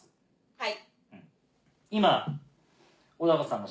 はい。